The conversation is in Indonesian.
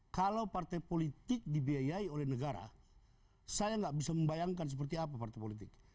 kalau partai politik dibiayai oleh negara saya nggak bisa membayangkan seperti apa partai politik